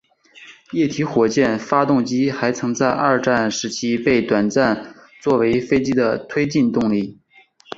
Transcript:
液体火箭发动机还曾在二战时期被短暂作为飞机的推进动力。